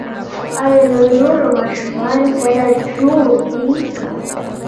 ایا له نورو ماشومانو سره جوړ دي؟